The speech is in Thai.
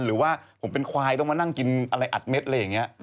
หรือว่าผมเป็นควายต้องมานั่งกินอะไรอัดเม็ดอะไรอย่างนี้